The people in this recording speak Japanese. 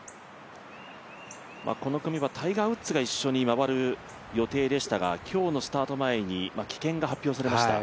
この組はタイガー・ウッズが最初に回る予定でしたが今日のスタート前に棄権が発表されました。